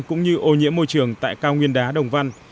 cũng như ô nhiễm môi trường tại cao nguyên đá đồng văn